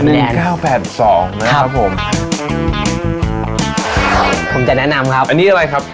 หนึ่งเก้าแปดสองนะครับผมผมจะแนะนำครับอันนี้อะไรครับ